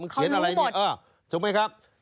เขารู้หมด